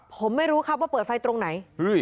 ผมไม่รู้ครับว่าเปิดไฟตรงไหน